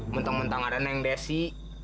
menteng menteng ada neng desy